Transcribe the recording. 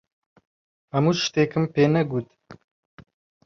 هەموو شتێکم پێ نەگوت.